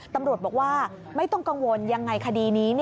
ตำรวจบอกว่าไม่ต้องกังวลยังไงคดีนี้